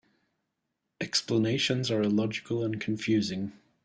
Explanations are illogical and confusing.